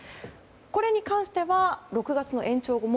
これに関しては、６月の延長後も